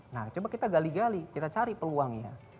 nah coba kita gali gali kita cari peluangnya